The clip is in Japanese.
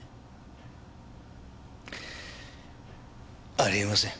ありえません。